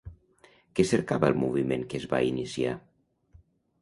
Què cercava el moviment que es va iniciar?